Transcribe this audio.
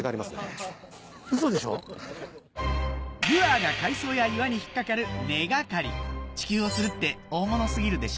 ルアーが海藻や岩に引っ掛かる根掛かり地球を釣るって大物過ぎるでしょ